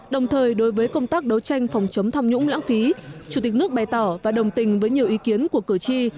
đồng thời đối với công tác đấu tranh phòng chống tham nhũng lãng phí chủ tịch nước bày tỏ và đồng tình với nhiều ý kiến của cử tri